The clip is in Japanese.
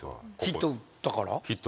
ヒット打ったから。